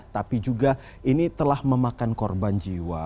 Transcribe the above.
tapi juga ini telah memakan korban jiwa